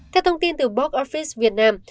theo thông tin từ box office việt nam